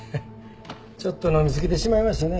ちょっと飲みすぎてしまいましてね